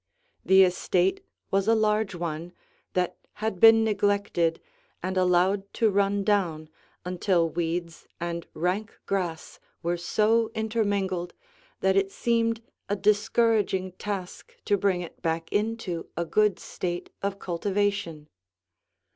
The estate was a large one that had been neglected and allowed to run down until weeds and rank grass were so intermingled that it seemed a discouraging task to bring it back into a good state of cultivation.